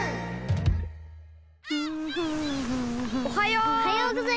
おはよう！